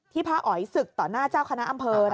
พระอ๋อยศึกต่อหน้าเจ้าคณะอำเภอ